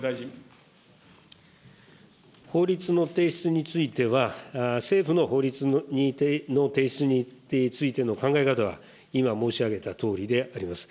法律の提出については、政府の法律の提出についての考え方は、今申し上げたとおりでございます。